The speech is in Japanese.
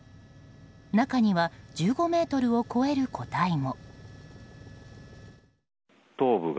中には１５ｍを超える個体も。